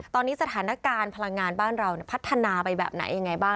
ตอนนี้สถานการณ์พลังงานบ้านเราพัฒนาไปแบบไหนยังไงบ้าง